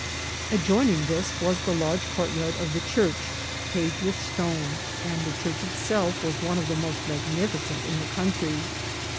Ad joining this was the large courtyard of the church, paved with stone, and the church itself was one of the most magnificent in the country.